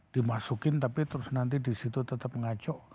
dimasukin tapi terus nanti disitu tetap ngaco